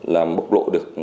làm bộc lộ được